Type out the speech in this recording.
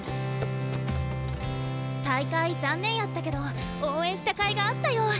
大会残念やったけど応援したかいがあったよ。